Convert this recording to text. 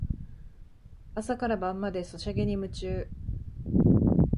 朝から晩までソシャゲに夢中